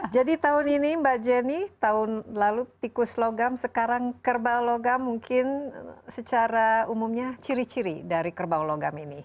jadi tahun ini mbak jenny tahun lalu tikus logam sekarang kerbau logam mungkin secara umumnya ciri ciri dari kerbau logam ini